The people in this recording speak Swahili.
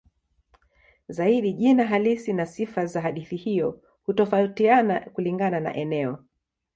Zaidi jina halisi na sifa za hadithi hiyo hutofautiana kulingana na eneo.